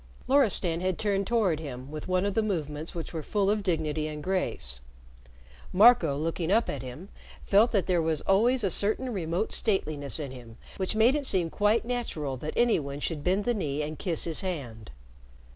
Loristan had turned toward him with one of the movements which were full of dignity and grace. Marco, looking up at him, felt that there was always a certain remote stateliness in him which made it seem quite natural that any one should bend the knee and kiss his hand.